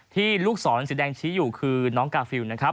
ที่ลูกสอนสิแดงก๋วชีอยู่คือน้องกาฟิวนะครับ